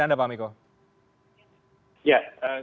bu nadia pamiko ada tambahan lagi